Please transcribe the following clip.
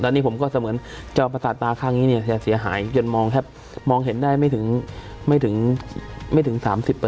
อันนี้ผมก็เสมือนจอมประสาทตาข้างนี้เนี่ยจะเสียหายจนมองแทบมองเห็นได้ไม่ถึง๓๐